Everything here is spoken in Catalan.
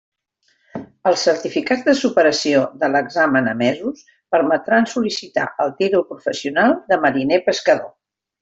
Els certificats de superació de l'examen emesos, permetran sol·licitar el títol professional de mariner pescador.